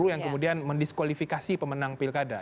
yang kemudian mendiskualifikasi pemenang pilkada